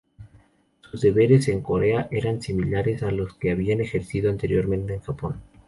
Sus deberes en Corea eran similares a los que había ejercido anteriormente en Japón.